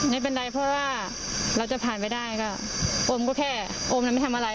ไม่เป็นไรเพราะว่าเราจะผ่านไปได้ก็อมก็แค่อมนั้นไม่ทำอะไร